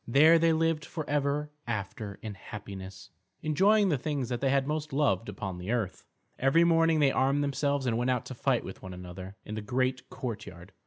There they lived forever after in happiness, enjoying the things that they had most loved upon earth. Every morning they armed themselves and went out to fight with one another in the great courtyard.